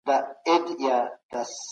ده وويل چي پوهه هېڅکله زړه نه وي.